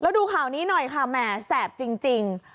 ดูข่าวนี้หน่อยค่ะแหมแสบจริง